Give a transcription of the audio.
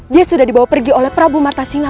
dia sudah dibawa pergi oleh prabu marta singa